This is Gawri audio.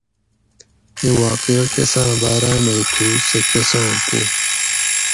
ایں واقعہ کساۤں باۤراۤ مئ تھو سہ کساں پو